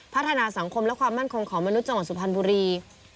พัฒนาสังคมและความมั่นคงของมนุษย์จังหวัดสุพรรณบุรี